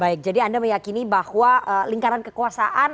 baik jadi anda meyakini bahwa lingkaran kekuasaan